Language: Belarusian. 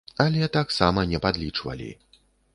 Але таксама не падлічвалі.